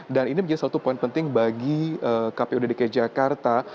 dan ini menjadi satu poin penting bagi kpud dki jakarta